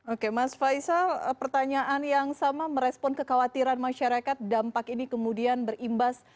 oke mas faisal pertanyaan yang sama merespon kekhawatiran masyarakat dampak ini kemudian berimbas